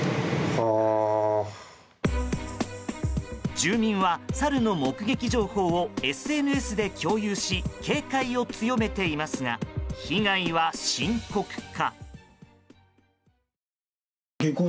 住民はサルの目撃情報をＳＮＳで共有し警戒を強めていますが被害は深刻化。